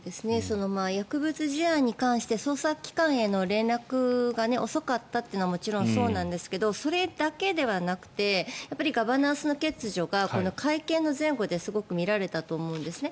薬物事案に関して捜査機関への連絡が遅かったというのはもちろんそうなんですけどそれだけではなくてガバナンスの欠如がこの会見の前後ですごく見られたと思うんですね。